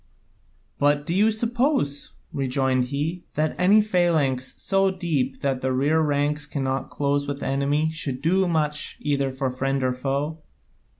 "But do you suppose," rejoined he, "that any phalanx so deep that the rear ranks cannot close with the enemy could do much either for friend or foe?